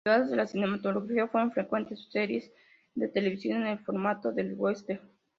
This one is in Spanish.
Derivadas de la cinematografía, fueron frecuentes series de televisión con el formato del western.